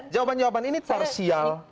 jawaban jawaban ini parsial